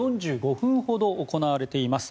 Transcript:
４５分ほど行われています。